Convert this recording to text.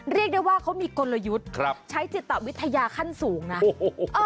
เรียกได้ว่าเขามีกลยุทธ์ครับใช้จิตวิทยาขั้นสูงนะโอ้โห